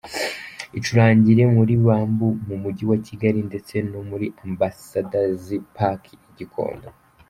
Icurangira muri Bambu mu mujyi wa Kigali ndetse no muri Ambasadazi Paki i Gikondo.